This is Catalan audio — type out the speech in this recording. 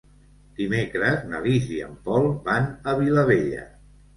Dimecres na Lis i en Pol van a Vilabella.